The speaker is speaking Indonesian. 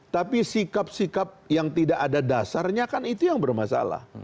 tapi sikap sikap yang tidak ada dasarnya kan itu yang bermasalah